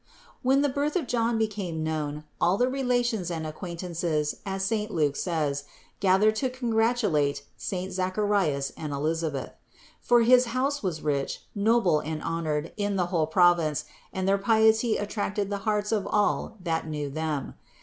277. When the birth of John become known, all the relations and acquaintances, as saint Luke says, gathered to congratulate saint Zacharias and Elisabeth, for his house was rich, noble and honored in the whole province and their piety attracted the hearts of all that knew them.